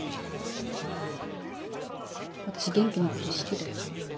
私元気のこと好きだよ。